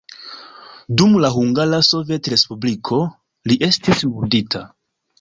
Dum la Hungara Sovetrespubliko li estis murdita.